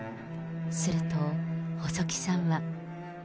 すると、細木さんは。